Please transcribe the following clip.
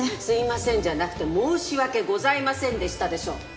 すいませんじゃなくて申し訳ございませんでしたでしょ！